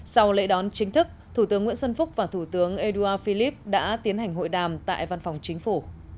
sau lễ đón chính thức thủ tướng nguyễn xuân phúc và thủ tướng édouard philip đã tiến hành hội đàm tại văn phòng chính phủ